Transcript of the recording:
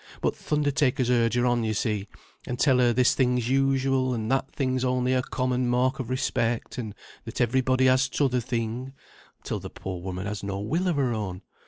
But th' undertakers urge her on you see, and tell her this thing's usual, and that thing's only a common mark of respect, and that every body has t'other thing, till the poor woman has no will o' her own.